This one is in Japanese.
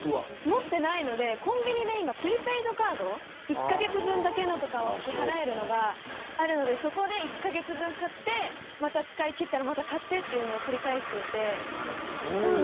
持ってないのでコンビニでプリペイドカード１カ月分だけのとか支払えるのがあるのでそこで１カ月分、買って使い切ったら、また買ってというのを繰り返していて。